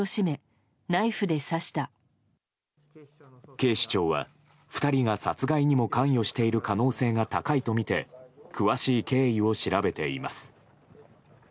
警視庁は２人が殺害にも関与している可能性が高いとみて詳しい経緯を調べています。